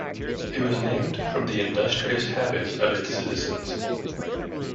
It was named from the industrious habits of its citizens.